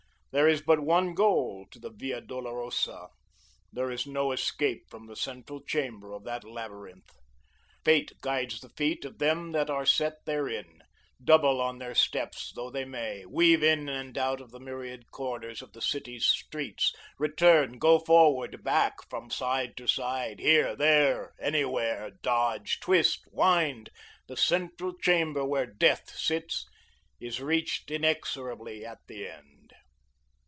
There is but one goal to the via dolorosa; there is no escape from the central chamber of that labyrinth. Fate guides the feet of them that are set therein. Double on their steps though they may, weave in and out of the myriad corners of the city's streets, return, go forward, back, from side to side, here, there, anywhere, dodge, twist, wind, the central chamber where Death sits is reached inexorably at the end.